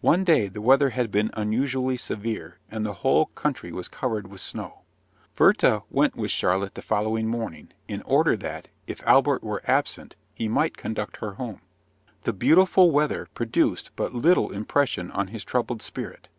One day the weather had been unusually severe, and the whole country was covered with snow. Werther went for Charlotte the following morning, in order that, if Albert were absent, he might conduct her home. The beautiful weather produced but little impression on his troubled spirit.